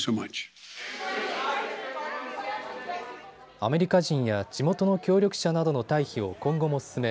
アメリカ人や地元の協力者などの退避を今後も進め